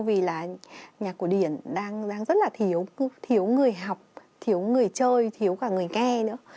vì là nhà cổ điển đang rất là thiếu thiếu người học thiếu người chơi thiếu cả người nghe nữa